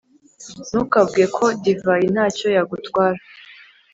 Ntukavuge ko divayi nta cyo yagutwara,